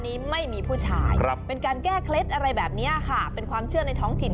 นี้ไม่มีผู้ชายครับเป็นการแก้เคล็ดอะไรแบบนี้ค่ะเป็นความเชื่อในท้องถิ่น